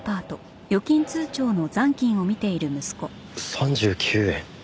３９円。